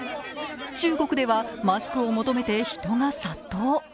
中国ではマスクを求めて人が殺到。